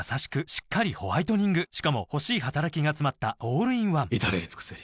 しっかりホワイトニングしかも欲しい働きがつまったオールインワン至れり尽せり